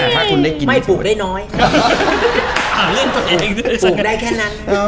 ถ้าคุณได้กินไม่ปลูกได้น้อยอ่าเลื่อนตัวเองปลูกได้แค่นั้นอ๋อ